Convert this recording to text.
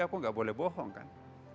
aku enggak boleh bohongkan